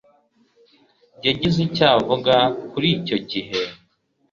yagize icyo avuga kuri icyo gihe